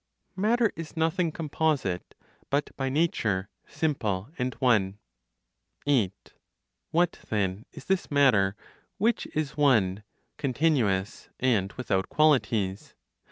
MATTER IS NOTHING COMPOSITE, BUT BY NATURE SIMPLE AND ONE. 8. What then is this matter which is one, continuous, and without qualities?